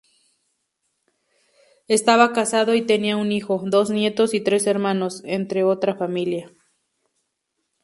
Estaba casado y tenía un hijo, dos nietos y tres hermanos, entre otra familia.